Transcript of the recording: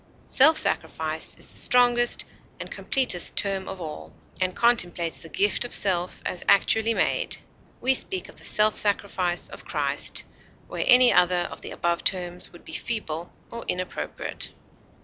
Self sacrifice is the strongest and completest term of all, and contemplates the gift of self as actually made. We speak of the self sacrifice of Christ, where any other of the above terms would be feeble or inappropriate.